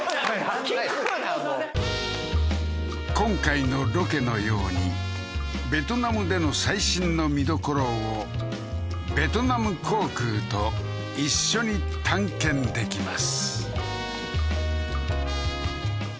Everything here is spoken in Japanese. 聞くなもう今回のロケのようにベトナムでの最新の見どころをベトナム航空と一緒に探検できます